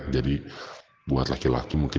jadi buat laki laki mungkin